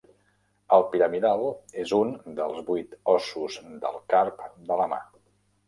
El piramidal és un dels vuit ossos del carp de la mà.